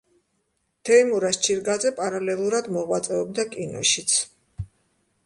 თეიმურაზ ჩირგაძე პარალელურად მოღვაწეობდა კინოშიც.